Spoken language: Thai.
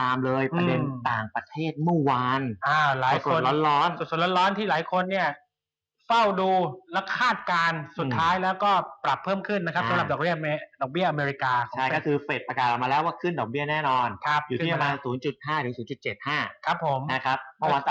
เมื่อวานตลาดหุ้นด่าโจรก็เลยรับราว